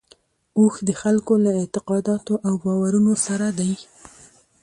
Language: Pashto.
اوښ د خلکو له اعتقاداتو او باورونو سره دی.